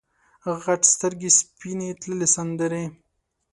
غټ سترګې سپینې تللې سندرې